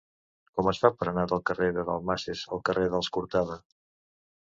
Com es fa per anar del carrer de Dalmases al carrer dels Cortada?